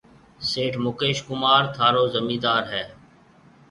سيٺ مڪيش ڪمار ٿارو زميندار هيَ۔